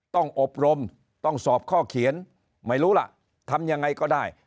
ต้องอบรมต้องสอบข้อเขียนไม่รู้ล่ะทำยังไงก็ได้